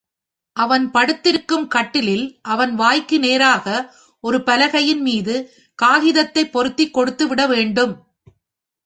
அவன் படுத்திருக்கும் கட்டிலில் அவன் வாய்க்கு நேராக ஒரு பலகையின் மீது காகிதத்தைப் பொருத்திக் கொடுத்து விட வேண்டும்.